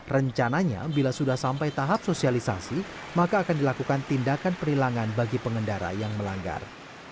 rencananya bila sudah sampai tahap sosialisasi maka akan dilakukan tindakan perilangan bagi pengendara yang melanggar